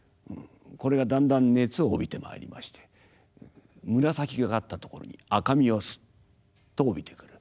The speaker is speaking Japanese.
これがだんだん熱を帯びてまいりまして紫がかったところに赤みをスッと帯びてくる。